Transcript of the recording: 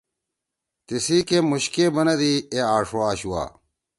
تیسی کے مُوش کے بنَدی اے آݜو آشُوا۔